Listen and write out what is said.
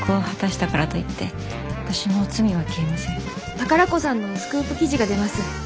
宝子さんのスクープ記事が出ます。